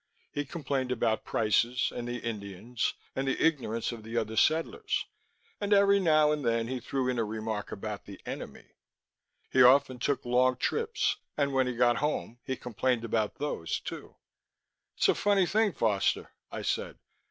He complained about prices, and the Indians, and the ignorance of the other settlers and every now and then threw in a remark about the Enemy. He often took long trips, and when he got home, he complained about those, too. "It's a funny thing, Foster," I said.